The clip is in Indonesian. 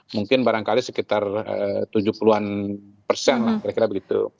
mungkin barangkali sekitar tujuh puluh an persen lah kira kira begitu